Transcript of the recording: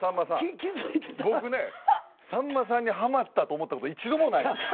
僕ねさんまさんにはまったと思ったこと一度もない。